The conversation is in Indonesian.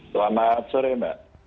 selamat sore mbak